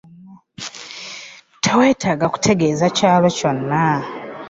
Toweetaaga kutegeeza kyalo kyonna.